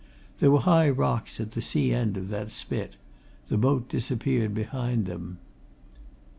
There were high rocks at the sea end of that spit the boat disappeared behind them.